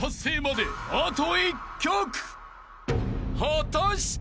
［果たして？］